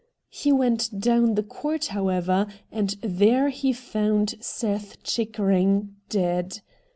He went down the court, however, and there he found Seth Chickering dead.